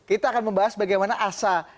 kita akan membahas bagaimana asa